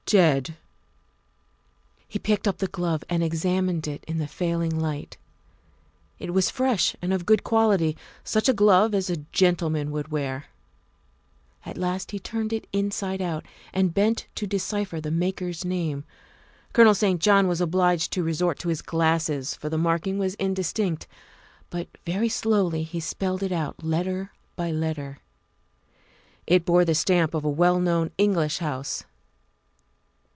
Dead !'' He picked up the glove and examined it in the failing light. It was fresh and of good quality, such a glove as a gentleman would wear. At last he turned it inside out and bent to decipher the maker's name. Colonel St. John was obliged to resort to his glasses, for the marking was indistinct, but very slowly he spelled it out, letter by letter. It bore the stamp of a well known English house.